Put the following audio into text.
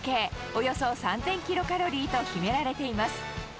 およそ３０００キロカロリーと決められています。